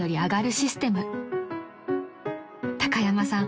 ［高山さん